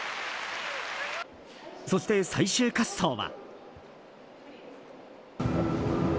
そして、最終滑走は。